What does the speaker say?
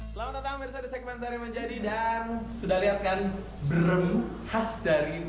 selamat datang bersama saya kepantar yang menjadi dan sudah lihatkan brem khas dari madiun hal pertama yang harus dilakukan apa merendam beras